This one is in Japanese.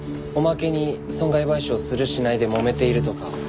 おまけに損害賠償するしないでもめているとか。